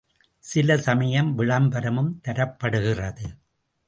சில சமயம் விளம்பரமும் தரப்படுகிறது.